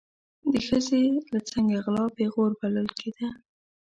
د ښځې له څنګه غلا پیغور بلل کېده.